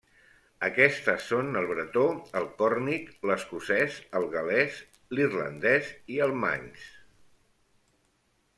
Aquestes són el bretó, el còrnic, l'escocès, el gal·lès, l'irlandès i el manx.